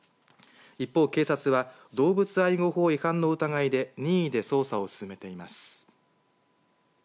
一方、警察は動物愛護法違反の疑いで任意で捜査を進めています。